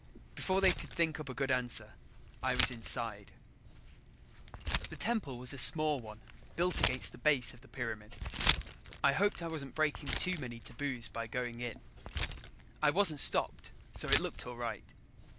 Before they could think up a good answer, I was inside. The temple was a small one built against the base of the pyramid. I hoped I wasn't breaking too many taboos by going in. I wasn't stopped, so it looked all right.